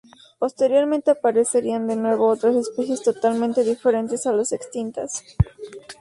Posteriormente aparecerían de nuevo otras especies totalmente diferentes a las extintas.